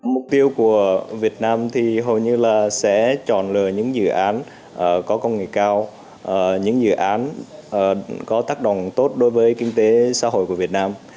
mục tiêu của việt nam thì hầu như là sẽ chọn lựa những dự án có công nghệ cao những dự án có tác động tốt đối với kinh tế xã hội của việt nam